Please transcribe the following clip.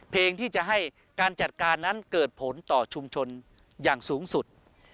เพลงที่จะให้การจัดการนั้นเกิดผลต่อชุมชนอย่างสูงสุด